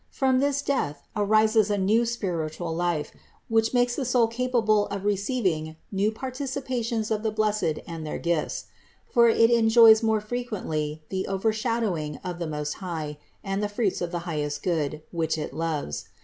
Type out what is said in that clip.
From this death arises a new spiritual life, which makes the soul capable of receiving new participations of the blessed and their gifts ; for it enjoys more frequently the over shadowing of the Most High and the fruits of the high est Good, which it loves.